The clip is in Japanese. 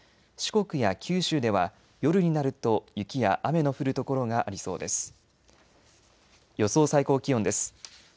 四国や九州では夜になると雪や雨の降る所がありそうです。